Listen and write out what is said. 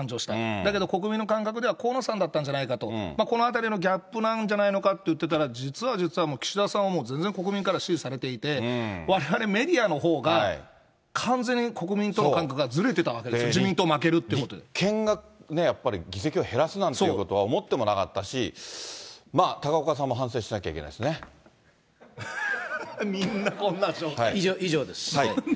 だけど国民の感覚では、河野さんだったんじゃないかと、このあたりのギャップなんじゃないかと言ってたら、実は実はもう、岸田さんはもう全然国民から支持されていて、われわれメディアのほうが完全に国民との感覚がずれてたわけですよ、自民党負けるっていう立憲がやっぱり議席を減らすなんていうことは思ってもなかったし、高岡さんも反省しなきゃいみんな、こんな状態。